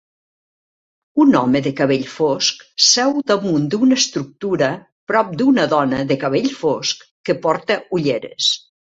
Un home de cabell fosc seu damunt d'una estructura prop d'una dona de cabell fosc que porta ulleres.